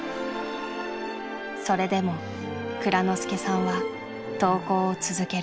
それでも蔵之介さんは投稿を続ける。